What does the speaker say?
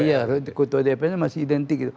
iya ketua dprnya masih identik gitu